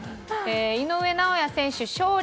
「井上尚弥選手勝利！